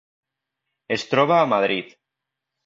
Es troba a Madrid.